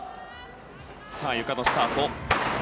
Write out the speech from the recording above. ゆかのスタート。